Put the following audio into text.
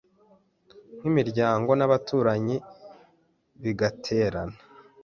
nk’imiryango n’abaturanyi bigaterana